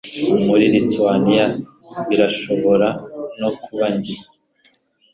Muri Littleton birashobora no kuba njye